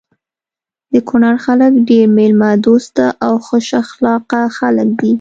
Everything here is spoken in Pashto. د کونړ خلک ډير ميلمه دوسته او خوش اخلاقه خلک دي.